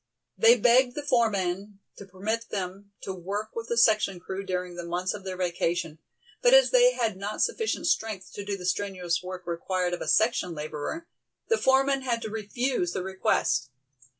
They begged the foreman to permit them to work with the section crew during the months of their vacation, but as they had not sufficient strength to do the strenuous work required of a section laborer, the foreman had to refuse their request.